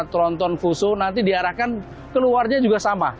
tronton fuso nanti diarahkan keluarnya juga sama